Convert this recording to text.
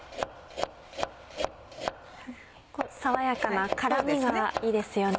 爽やかな辛みがいいですよね。